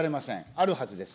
あるはずです。